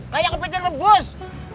kayak kepitnya rebus